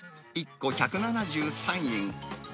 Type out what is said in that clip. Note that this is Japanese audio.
１個１７３円。